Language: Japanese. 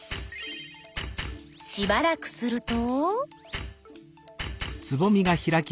しばらくすると。